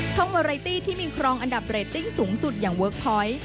วาไรตี้ที่มีครองอันดับเรตติ้งสูงสุดอย่างเวิร์คพอยต์